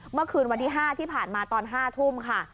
เมื่อคืนวันที่๕ที่ผ่านมาตอน๕ทุ่มค่ะ